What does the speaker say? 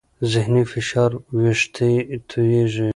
ذهني فشار وېښتې تویېږي.